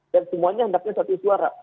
dan semuanya hendaknya satu suara